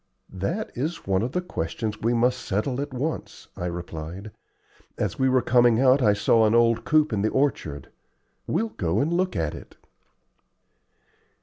"That is one of the questions we must settle at once," I replied. "As we were coming out I saw an old coop in the orchard. We'll go and look at it."